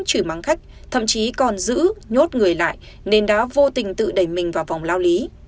chửi mắng khách thậm chí còn giữ nhốt người lại nên đã vô tình tự đẩy mình vào vòng lao lý